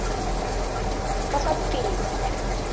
فَقَدْ قِيلَ